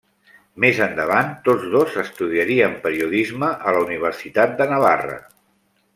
Més endavant, tots dos estudiarien Periodisme a la Universitat de Navarra.